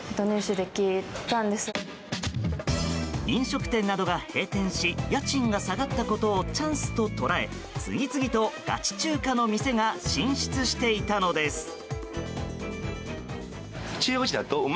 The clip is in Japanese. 飲食店などが閉店し家賃が下がったことをチャンスと捉え次々とガチ中華の店が進出していたのです。